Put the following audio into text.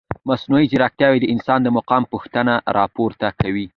مصنوعي ځیرکتیا د انسان د مقام پوښتنه راپورته کوي.